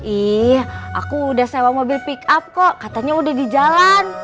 iya aku udah sewa mobil pickup kok katanya udah di jalan